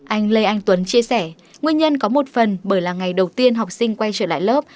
anh lê anh tuấn chia sẻ nguyên nhân có một phần bởi là ngày đầu tiên học sinh quay trở lại lớp